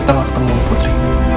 kita gak ketemu putri